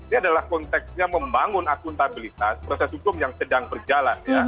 ini adalah konteksnya membangun akuntabilitas proses hukum yang sedang berjalan